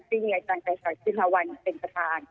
คือเมียจันทรัยศาสตร์ชิมหาวันเป็นภาค